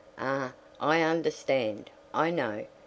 "Ah, I understand. I know.